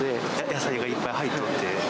野菜がいっぱい入っとって。